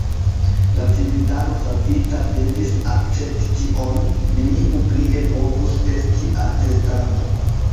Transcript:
La civitano savita devis akcepti tion; neniu plie povus esti atestanto.